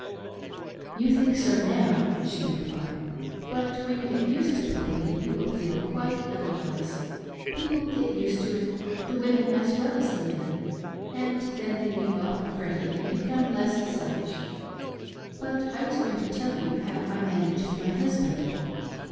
" You think so now," she replied, " but when you get used to Polygamy you will feel quite otherwise. People get used to 'it — the women as well as the men — and then they leave off fretting and become less selfish. But I was going to tell you how I managed my husband.